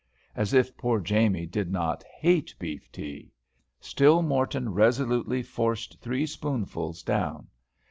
As if poor Jamie did not hate beef tea; still Morton resolutely forced three spoonfuls down.